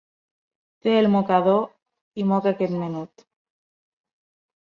Té el mocador, i moca aquest menut!